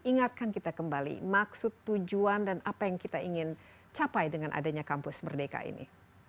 ingatkan kita kembali maksud tujuan dan apa yang kita ingin capai dengan adanya kampus merdeka ini